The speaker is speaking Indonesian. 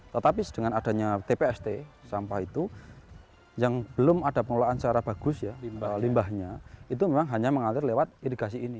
tetapi dengan adanya tpst sampah itu yang belum ada pengelolaan secara bagus ya limbahnya itu memang hanya mengalir lewat irigasi ini